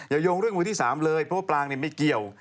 โยงเรื่องมือที่๓เลยเพราะว่าปลางไม่เกี่ยว